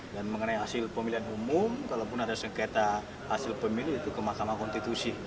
dan mengenai hasil pemilihan umum kalaupun ada sengketa hasil pemilu itu ke mahkamah konstitusi